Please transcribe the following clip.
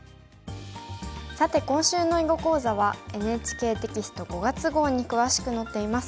さて今週の囲碁講座はＮＨＫテキスト５月号に詳しく載っています。